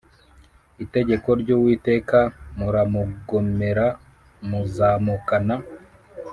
itegeko ry Uwiteka muramugomera muzamukana